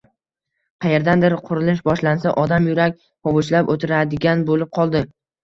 Qayerdadir qurilish boshlansa, odam yurak hovuchlab oʻtiradigan boʻlib qoldi.